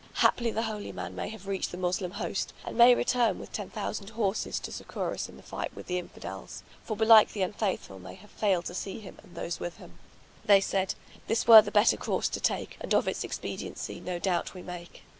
Haply the holy man may have reached the Moslem host, and may return with ten thousand horses to succour us in fight with the Infidels, for belike the Unfaithful may have failed to see him and those with him." They said, This were the better course to take, and of its expediency no doubt we make."